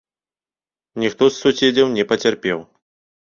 Ніхто з суседзяў не пацярпеў.